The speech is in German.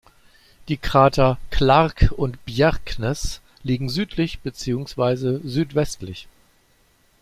Die Krater Clark und Bjerknes liegen südlich beziehungsweise südwestlich.